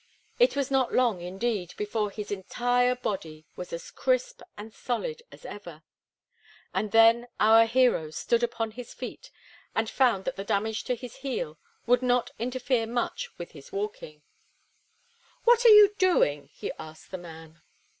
It was not long, indeed, before his entire body was as crisp and solid as ever; and then our hero stood upon his feet and found that the damage to his heel would not interfere much with his walking. "What are you doing?" he asked the man.